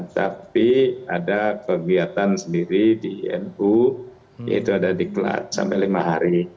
tapi ada kegiatan sendiri di nu yaitu ada di klat sampai lima hari